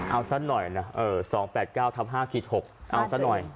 เอาสักหน่อยนะ๒๘๙๕๖เอาสักหน่อย